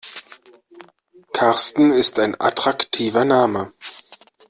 Karsten ist ein attraktiver Name.